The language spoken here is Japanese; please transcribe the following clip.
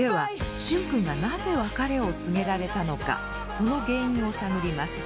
その原因を探ります。